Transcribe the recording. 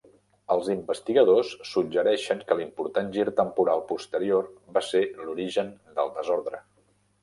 Els investigadors suggereixen que l'important gir temporal posterior va ser l'origen del desordre.